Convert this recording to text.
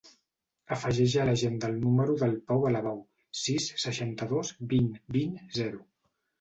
Afegeix a l'agenda el número del Pau Alabau: sis, seixanta-dos, vint, vint, zero.